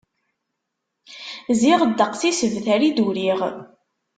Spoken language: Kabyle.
Ziɣ ddeqs n yisebtar i d-uriɣ.